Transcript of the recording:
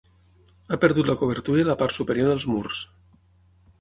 Ha perdut la coberta i la part superior dels murs.